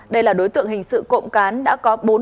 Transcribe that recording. đây là đối tượng hình sự cộng cán đã có bốn